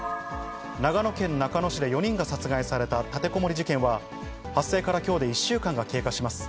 長野県中野市で４人が殺害された立てこもり事件は、発生からきょうで１週間が経過します。